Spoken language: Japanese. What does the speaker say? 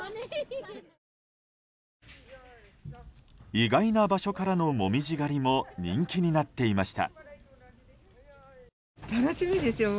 意外な場所からの紅葉狩りも人気になっていました。